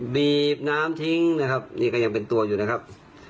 บีบน้ำทิ้งนะครับนี่ก็ยังเป็นตัวอยู่นะครับ